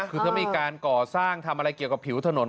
คือถ้ามีการก่อสร้างทำอะไรเกี่ยวกับผิวถนน